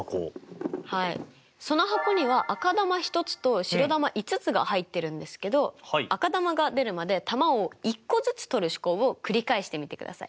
その箱には赤球１つと白球５つが入ってるんですけど赤球が出るまで球を１個ずつ取る試行をくり返してみてください。